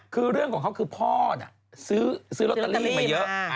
คือเรื่องของเขาคือพ่อน่ะซื้อลอตเตอรี่มาเยอะ